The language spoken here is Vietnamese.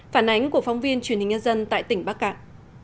phản ánh của phóng viên truyền hình nhân dân tại tỉnh bắc cạn